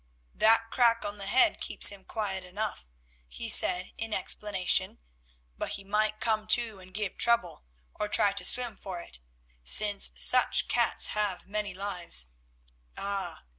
"That crack on the head keeps him quiet enough," he said in explanation, "but he might come to and give trouble, or try to swim for it, since such cats have many lives. Ah!